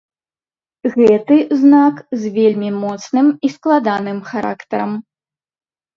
Гэты знак з вельмі моцным і складаным характарам.